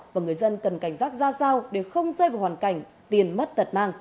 và người dân cần cảnh giác ra sao để không rơi vào hoàn cảnh tiền mất tật mang